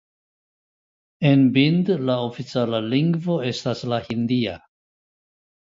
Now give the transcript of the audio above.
En Bhind la oficiala lingvo estas la hindia.